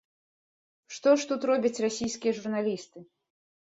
Што ж тут робяць расійскія журналісты?